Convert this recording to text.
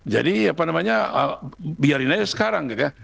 jadi apa namanya biarin aja sekarang gitu ya